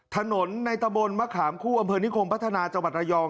ถนนในตะบนมะขามคู่อำเภอนิคมพัฒนาจังหวัดระยอง